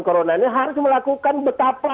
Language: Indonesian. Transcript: corona ini harus melakukan betapa